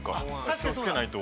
気をつけないと。